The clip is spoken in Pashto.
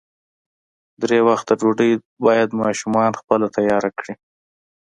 درې وخته ډوډۍ باید ماشومان خپله تیاره کړي.